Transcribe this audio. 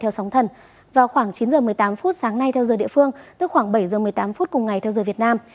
theo sóng thần vào khoảng chín h một mươi tám phút sáng nay theo giờ địa phương tức khoảng bảy giờ một mươi tám phút cùng ngày theo giờ việt nam